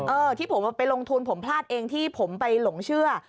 เออที่ผมไปลงทุนผมพลาดเองที่ผมไปหลงเชื่อ